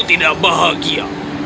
istriku tidak bahagia